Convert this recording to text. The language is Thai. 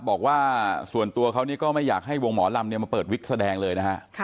บอกว่าส่วนตัวเขานี่ก็ไม่อยากให้วงหมอลำมาเปิดวิกแสดงเลยนะฮะ